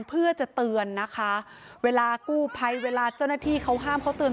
เพื่อจะเตือนนะคะเวลากู้ภัยเวลาเจ้าหน้าที่เขาห้ามเขาเตือน